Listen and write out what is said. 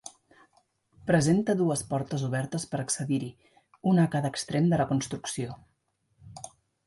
Presenta dues portes obertes per accedir-hi, una a cada extrem de la construcció.